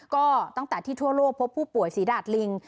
ก็ตั้งแต่ที่ทั่วโลกพบผู้ป่วยฝีดาดลิง